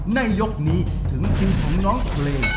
ในยกนี้ถึงคิวของน้องเพลง